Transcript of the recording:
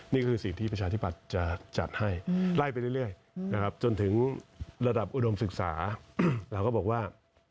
นี่คือสิ่งที่ประชาธิบัติจะจัดให้ไล่ไปเรื่อยนะครับจนถึงระดับอุดมศึกษาเราก็บอกว่า